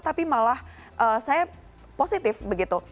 tapi malah saya positif begitu